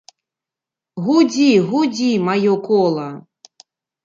Гудзі, гудзі, маё кола!